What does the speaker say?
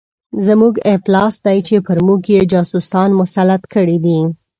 زموږ افلاس دی چې پر موږ یې جاسوسان مسلط کړي دي.